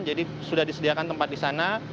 sudah disediakan tempat di sana